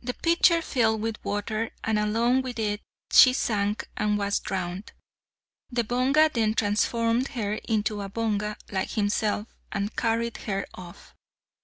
The pitcher filled with water, and along with it she sank and was drowned. The Bonga then transformed her into a Bonga like himself, and carried her off.